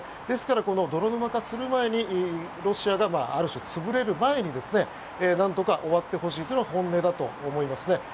ですから泥沼化する前にロシアがある種、潰れる前になんとか終わってほしいというのが本音だと思いますね。